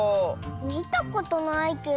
みたことないけど。